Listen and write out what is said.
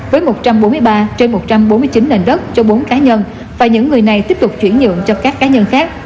với một trăm bốn mươi ba trên một trăm bốn mươi chín nền đất cho bốn cá nhân và những người này tiếp tục chuyển nhượng cho các cá nhân khác